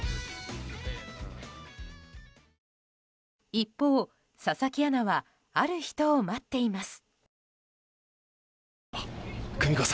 一方、佐々木アナはある人を待っています。